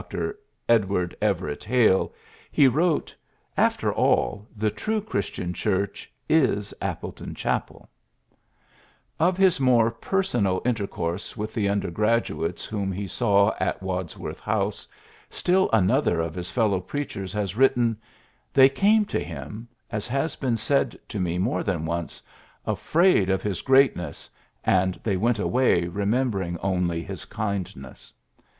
Edward Everett Hale, he wrote, ^' Mer all, the true Christian Church is Apieton Chapel. '^ PHILLIPS BKOOKS 79 Of his more personal intercourse with the undergraduates whom he saw at Wadsworth House, still another of his fellow i)reachei's has written: ^^They came to him as has been said to me more than once afraid of his greatness, and they went away remembering only his kindness."